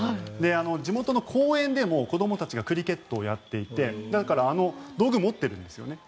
地元の公園でも子どもたちがクリケットをやっていてだから、あの道具を持ってるんですよね。